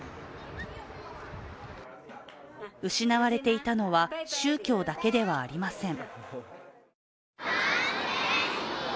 失われていたのは宗教だけではありません。